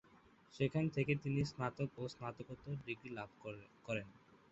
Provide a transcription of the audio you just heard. সেখান থেকেই তিনি স্নাতক ও স্নাতকোত্তর ডিগ্রী লাভ করেন।